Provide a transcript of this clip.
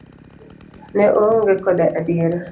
Ne oonge koda adiera.